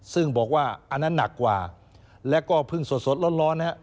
ซึ่งบอกว่าอันนั้นหนักกว่าแล้วก็เพิ่งสดร้อนนะฮะ